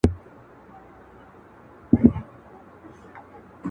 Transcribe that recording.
د حق ناره مي کړې ځانته غرغړې لټوم,